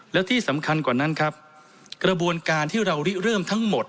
และที่สำคัญกว่านั้นครับกระบวนการที่เราเริ่มทั้งหมด